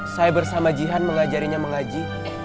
saya bersama jihan mengajarinya mengaji